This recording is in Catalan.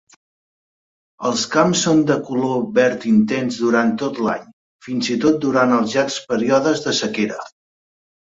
Els camps són de color verd intens durant tot l'any, fins i tot durant els llargs períodes de sequera.